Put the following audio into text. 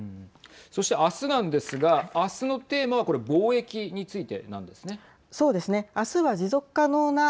そして、明日なんですが明日のテーマはこれ、貿易についてなんですね。